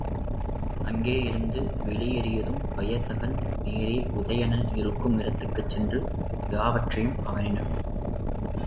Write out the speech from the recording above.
அங்கே இருந்து வெளியேறியதும் வயந்தகன் நேரே உதயணன் இருக்கும் இடத்திற்குச் சென்று, யாவற்றையும் அவனிடம் விவரமாகக் கூறினான்.